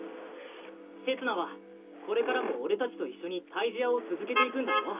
せつなはこれからも俺達と一緒に退治屋を続けていくんだろ？